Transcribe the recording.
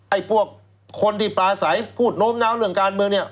ไอ้พวกคนที่ปลาใสพูดโน้มน้าวเรื่องการเมืองเนี่ย